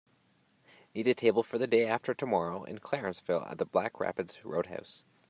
Need a table for the day after tomorrow in Clarenceville at the Black Rapids Roadhouse